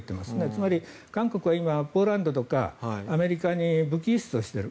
つまり、韓国は今、ポーランドとかアメリカに武器輸出をしている。